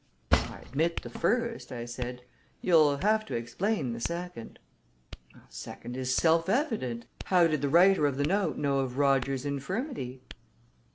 "I admit the first," I said. "You'll have to explain the second." "The second is self evident. How did the writer of the note know of Rogers's infirmity?"